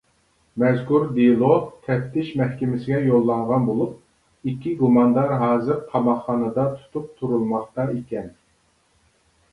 مەزكۇر دېلو تەپتىش مەھكىمىسىگە يوللانغان بولۇپ، ئىككى گۇماندار ھازىر قاماقخانىدا تۇتۇپ تۇرۇلماقتا ئىكەن.